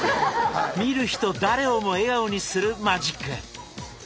見る人誰をも笑顔にするマジック！